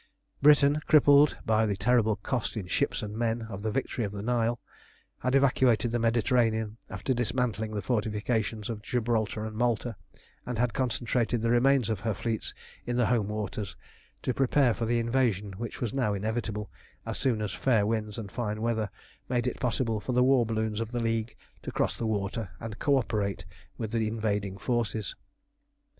Britain, crippled by the terrible cost in ships and men of the victory of the Nile, had evacuated the Mediterranean after dismantling the fortifications of Gibraltar and Malta, and had concentrated the remains of her fleets in the home waters, to prepare for the invasion which was now inevitable as soon as fair winds and fine weather made it possible for the war balloons of the League to cross the water and co operate with the invading forces.